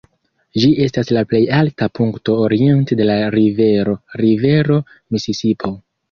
Ĝi estas la plej alta punkto oriente de la Rivero Rivero Misisipo.